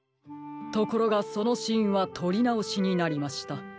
ところがそのシーンはとりなおしになりました。